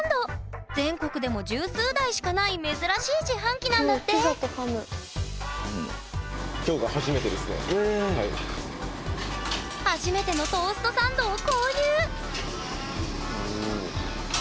全国でも十数台しかない珍しい自販機なんだって初めてのトーストサンドを購入！